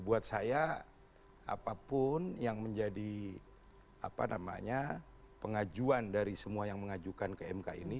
buat saya apapun yang menjadi pengajuan dari semua yang mengajukan ke mk ini